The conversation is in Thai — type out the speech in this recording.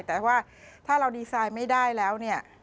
แต่ว่าถ้าเราดีไซน์ไม่ได้แล้วเนี่ย